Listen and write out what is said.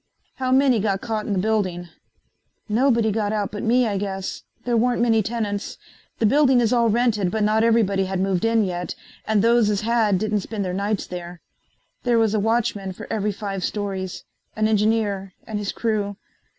"How many got caught in the building?" "Nobody got out but me, I guess. There weren't many tenants. The building is all rented, but not everybody had moved in yet and those as had didn't spend their nights there. There was a watchman for every five stories. An engineer and his crew.